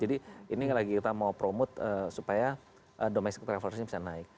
jadi ini lagi kita mau promote supaya domestic travelers ini bisa naik